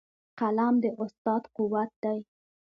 قلم د استاد قوت دی.